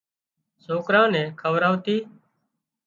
سوڪران نين کوَراَتي